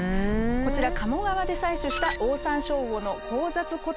こちら鴨川で採取したオオサンショウウオの交雑個体。